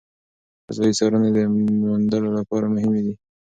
فضایي څارنې د موندلو لپاره مهمې دي.